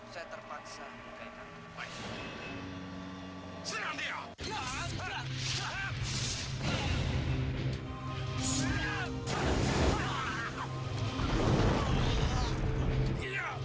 saya terpaksa mengalahkanmu